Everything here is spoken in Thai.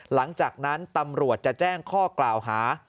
หลังจากนั้นตำรวจจะแจ้งข้อกล่าวหา